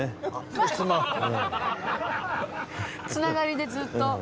繋がりでずっと？